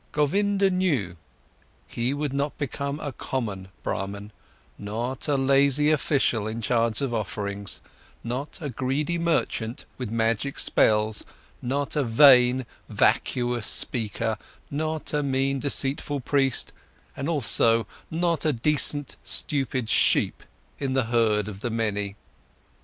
Govinda knew: he would not become a common Brahman, not a lazy official in charge of offerings; not a greedy merchant with magic spells; not a vain, vacuous speaker; not a mean, deceitful priest; and also not a decent, stupid sheep in the herd of the many.